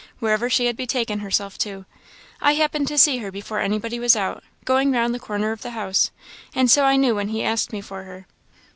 wherever she had betaken herself to; I happened to see her before anybody was out, going round the corner of the house, and so I knew when he asked me for her."